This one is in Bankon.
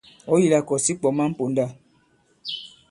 Ɔ̀̌ yi la kɔ̀s ǐ kwɔ̀ man ponda.